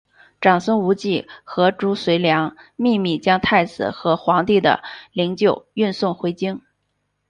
长孙无忌和褚遂良秘密将太子和皇帝的灵柩运送回京。